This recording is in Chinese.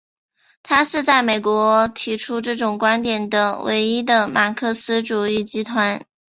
它是在美国提出这种观点的唯一的马克思主义集团。